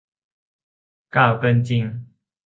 กล่าวเกินจริง